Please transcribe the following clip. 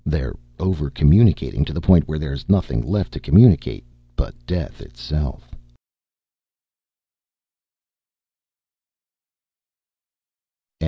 They're over communicating to the point where there's nothing left to communicate but death itself!"